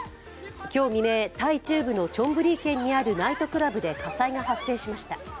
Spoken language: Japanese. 今日未明、タイ中部のチョンブリー県にあるナイトクラブで火災が発生しました。